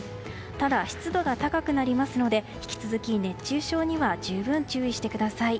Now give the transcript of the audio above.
ただ湿度が高くなりますので引き続き熱中症には十分注意してください。